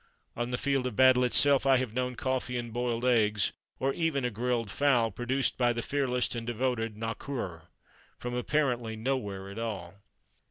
On the field of battle itself I have known coffee and boiled eggs or even a grilled fowl produced by the fearless and devoted nokhur, from, apparently, nowhere at all.